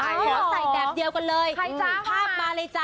ใส่แบบเดียวกันเลยภาพมาเลยจ้ะ